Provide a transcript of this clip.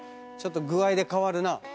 ちょっと具合で変わるな。